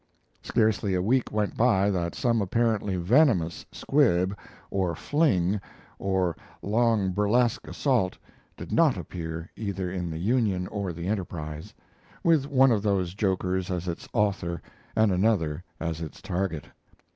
Scarcely a week went by that some apparently venomous squib or fling or long burlesque assault did not appear either in the Union or the Enterprise, with one of those jokers as its author and another as its target.